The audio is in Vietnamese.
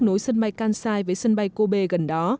nối sân bay kansai với sân bay kobe gần đó